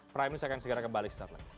prime news akan segera kembali